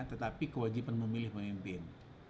tetapi kewajiban memilih pemimpin